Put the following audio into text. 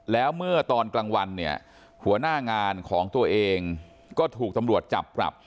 แล้วเมื่อตอนกลางวันเนี่ยหัวหน้างานของตัวเองก็ถูกตำรวจจับปรับ